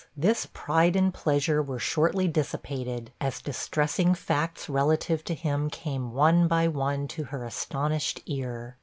this pride and pleasure were shortly dissipated, as distressing facts relative to him came one by one to her astonished ear.